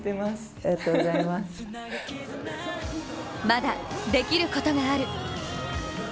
まだ、できることがある。